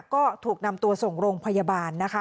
ก็ถูกนำตัวส่งโรงพยาบาลนะคะ